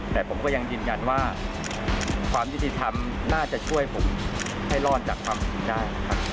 แต่ผมก็ยังยืนยันว่าความยุติธรรมน่าจะช่วยผมให้รอดจากความผิดได้นะครับ